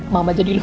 mama jadi dulu